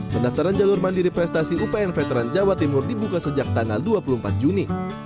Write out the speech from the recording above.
pendaftaran jalur mandiri prestasi upn veteran jawa timur dibuka sejak tanggal dua puluh empat juni